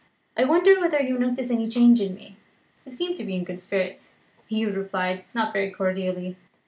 I wonder whether you notice any change in me? "You seem to be in good spirits," Hugh replied, not very cordially.